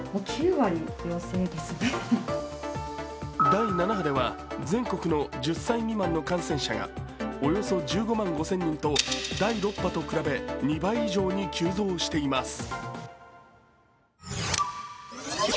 第７波では全国の１０歳未満の感染者がおよそ１５万５０００人と第６波と比べて２倍以上に急増しています。